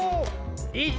１。